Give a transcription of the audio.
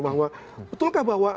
bahwa betulkah bahwa